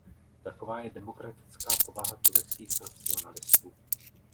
Taková je demokratická povaha tureckých nacionalistů!